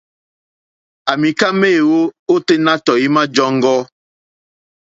À mìká méèwó óténá tɔ̀ímá !jɔ́ŋɡɔ́.